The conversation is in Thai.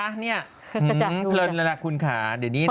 เพลินเลยล่ะคุณค่ะเดี๋ยวนี้นะ